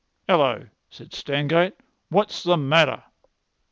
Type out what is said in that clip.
"Hallo!" said Stangate. "What's the matter?"